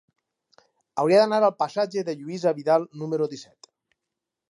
Hauria d'anar al passatge de Lluïsa Vidal número disset.